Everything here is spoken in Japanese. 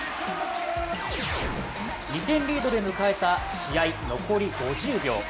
２点リードで迎えた試合残り５０秒。